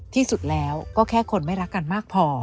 ที่สุดแล้วก็แค่คนไม่รักกันมากพอ